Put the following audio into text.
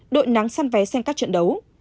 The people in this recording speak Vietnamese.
đội nắng săn vé xem các trận đấu